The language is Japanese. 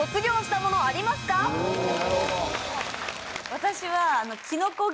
私は。